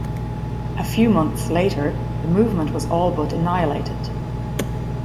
A few months later, the movement was all but annihilated.